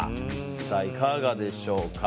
さあいかがでしょうか？